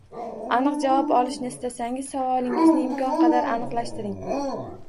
Aniq javob olishni istasangiz savolingizni imkon qadar aniqlashtiring